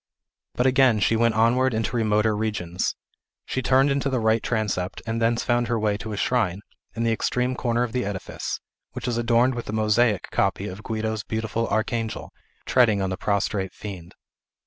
But again she went onward into remoter regions. She turned into the right transept, and thence found her way to a shrine, in the extreme corner of the edifice, which is adorned with a mosaic copy of Guido's beautiful Archangel, treading on the prostrate fiend.